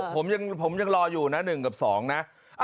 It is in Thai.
ผมยังรออยู่นะ๑กับ๒นะ